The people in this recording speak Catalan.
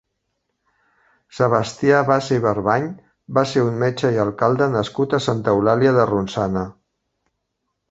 Sebastià Bassa i Barbany va ser un metge i alcalde nascut a Santa Eulàlia de Ronçana.